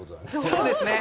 そうですね。